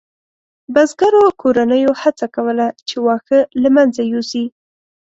بزګرو کورنیو هڅه کوله چې واښه له منځه یوسي.